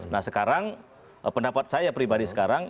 nah sekarang pendapat saya pribadi sekarang